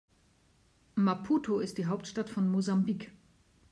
Maputo ist die Hauptstadt von Mosambik.